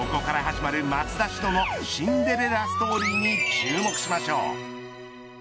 ここから始まる松田詩野のシンデレラストーリーに注目しましょう。